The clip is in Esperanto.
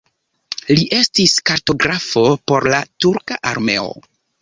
Li estis kartografo por la turka armeo.